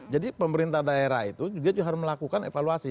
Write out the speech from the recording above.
jadi pemerintah daerah itu juga harus melakukan evaluasi